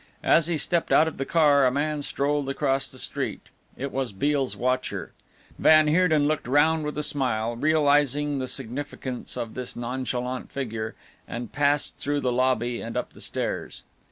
As he stepped out of the car a man strolled across the street. It was Beale's watcher. Van Heerden looked round with a smile, realizing the significance of this nonchalant figure, and passed through the lobby and up the stairs.